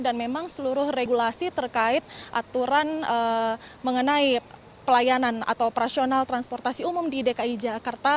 dan memang seluruh regulasi terkait aturan mengenai pelayanan atau operasional transportasi umum di dki jakarta